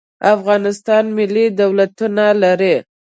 افغانستان ملي دولتونه لري.